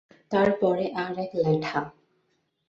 তার পরে আর-এক ল্যাঠা।